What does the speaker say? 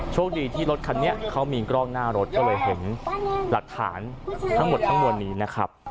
โชคดีที่รถคันนี้เขามีกล้องหน้ารถก็เลยเห็นหลักฐานทั้งหมดทั้งมวลนี้นะครับ